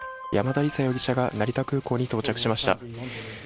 山田李沙容疑者が成田空港に到着しました。